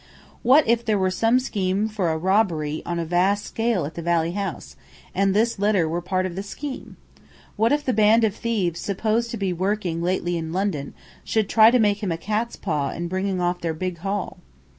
What if there were some scheme for a robbery on a vast scale at Valley House, and this letter were part of the scheme? What if the band of thieves supposed to be "working" lately in London should try to make him a cat's paw in bringing off their big haul?